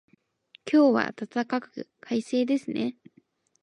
今日は暖かく、快晴ですね。